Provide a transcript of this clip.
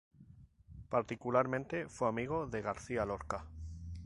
Particularmente fue amigo de García Lorca.